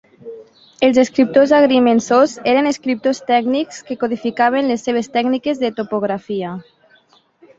Els escriptors agrimensors eren escriptors tècnics que codificaven les seves tècniques de topografia.